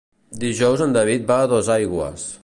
Dijous en David va a Dosaigües.